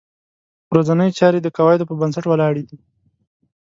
ورځنۍ چارې د قواعدو په بنسټ ولاړې دي.